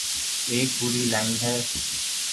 ایک پوری لائن ہے۔